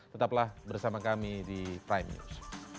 tetaplah bersama kami di prime news